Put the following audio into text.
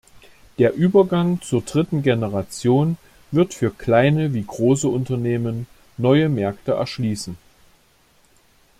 Der Übergang zur dritten Generation wird für kleine wie große Unternehmen neue Märkte erschließen.